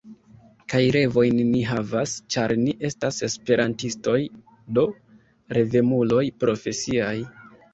Kaj revojn ni havas, ĉar ni estas Esperantistoj, do revemuloj profesiaj.